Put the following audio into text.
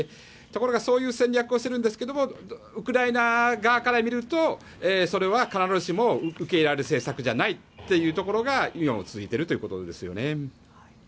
ところがそういう戦略をするんですがウクライナ側から見るとそれは必ずしも受け入れられる政策じゃないというところが今も続いているということですよね。